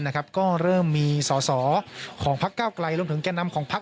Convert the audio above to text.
ก็เริ่มมีสอสอของพักเก้าไกลรวมถึงแก่นำของพัก